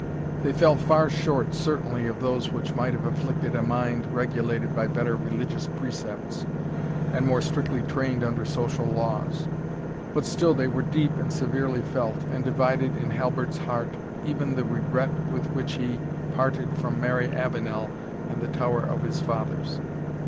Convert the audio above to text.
They fell far short certainly of those which might have afflicted a mind regulated by better religious precepts, and more strictly trained under social laws; but still they were deep and severely felt, and divided in Halbert's heart even the regret with which he parted from Mary Avenel and the tower of his fathers.